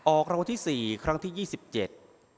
ออกรางวัลที่สี่ครั้งที่ยี่สิบเจ็ด